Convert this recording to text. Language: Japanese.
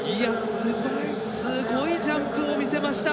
すごいすごいジャンプを見せました。